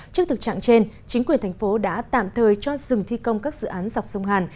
trước thực trạng trên chính quyền thành phố đã tạm thời cho dừng thi công các dự án dọc sông hàn